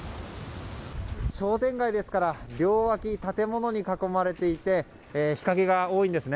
商店街ですから両脇、建物に囲まれていて日陰が多いですね。